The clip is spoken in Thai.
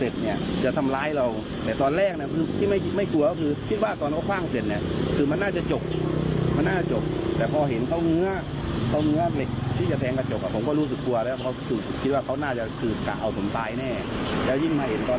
นี่เร็วผมไปเชี่ยวไปชนรถกันอื่นเข้าคนอื่น